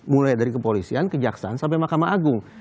mulai dari kepolisian kejaksaan sampai mahkamah agung